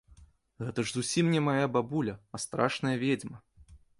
Гэта ж зусім не мая бабуля, а страшная ведзьма.